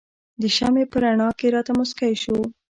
د شمعې په رڼا کې راته مسکی شو.